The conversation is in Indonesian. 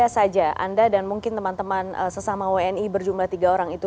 saja anda dan mungkin teman teman sesama wni berjumlah tiga orang itu